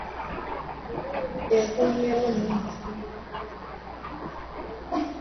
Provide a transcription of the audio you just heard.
Buluuli ekomyeewo na mutindo mulungi.